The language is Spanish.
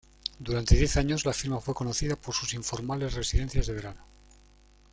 Durante diez años, la firma fue conocida por sus informales residencias de verano.